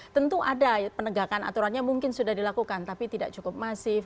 tentu ada penegakan aturannya mungkin sudah dilakukan tapi tidak cukup masif